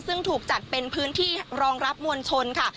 ซึ่งถูกจัดเป็นพื้นที่รองรับมวลชนค่ะ